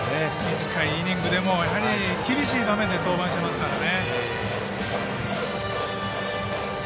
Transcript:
短いイニングでも厳しい場面で登板していますからね。